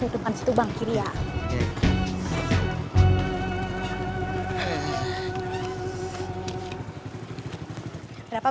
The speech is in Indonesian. tunggu sebentar ya kakak